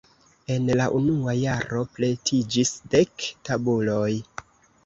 En la unua jaro pretiĝis dek tabuloj.